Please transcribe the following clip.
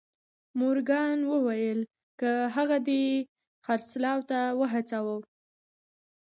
مورګان وویل که هغه دې خرڅلاو ته وهڅاوه